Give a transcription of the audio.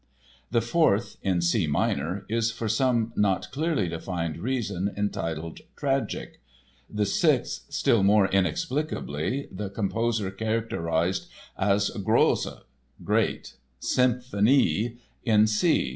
The Fourth (in C minor) is for some not clearly defined reason entitled Tragic; the Sixth, still more inexplicably, the composer characterized as Grosse (great) Symphonie in C.